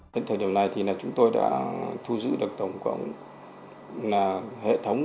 đến thời điểm này thì chúng tôi đã thu giữ được tổng cộng hệ thống